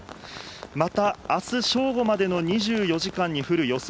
また、あす正午までの２４時間に降る予想